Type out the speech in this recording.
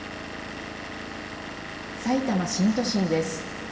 さいたま新都心です。